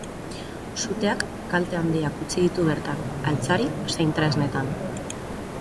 Suteak kalte handiak utzi ditu bertan, altzari zein tresnetan.